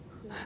hai giờ sáng